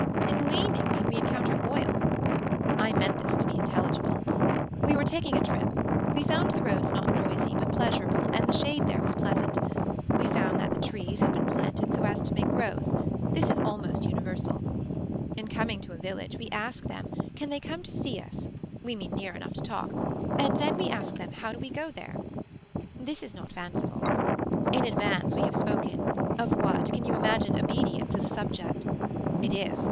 In leaning can we encounter oil. I meant this to be intelligible. We were taking a trip. We found the roads not noisy but pleasurable and the shade there was pleasant. We found that the trees had been planted so as to make rows. This is almost universal. In coming to a village we ask them can they come to see us we mean near enough to talk and then we ask them how do we go there. This is not fanciful. In advance we have spoken, of what, can you imagine obedience as a subject. It is.